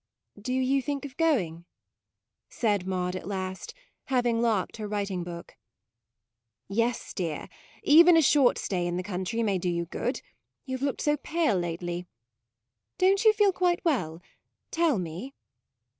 " Do you think of going ?" said Maude at last, having locked her writing book. " Yes, dear ; even a short stay in the country may do you good, you have looked so pale lately. Do n't you feel quite well? tell me."